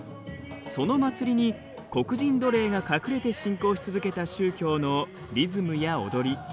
その祭りに黒人奴隷が隠れて信仰し続けた宗教のリズムや踊り